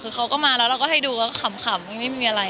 คือเขาก็มาแล้วเราก็ให้ดูก็ขำไม่มีอะไร